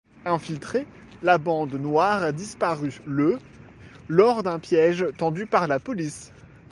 Infiltrée, la Bande noire disparut le lors d'un piège tendu par la police.